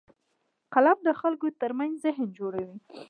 قلم د خلکو ترمنځ ذهن جوړوي